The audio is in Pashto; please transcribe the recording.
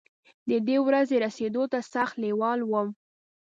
د دې ورځې رسېدو ته سخت لېوال وم.